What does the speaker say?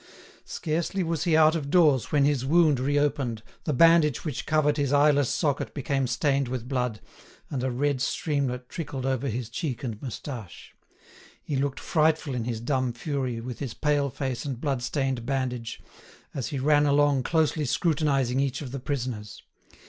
Scarcely was he out of doors when his wound reopened, the bandage which covered his eyeless socket became stained with blood, and a red streamlet trickled over his cheek and moustache. He looked frightful in his dumb fury with his pale face and blood stained bandage, as he ran along closely scrutinising each of the prisoners.